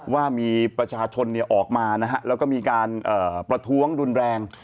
ว่ามีประชาชนออกมานะฮะแล้วก็มีการประท้วงรุนแรง